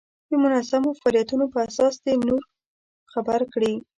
د منظمو فعالیتونو په اساس دې نور خبر کړي.